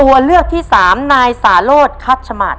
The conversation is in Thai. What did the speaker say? ตัวเลือกที่สี่นายชาญชัยสุนทรมัตต์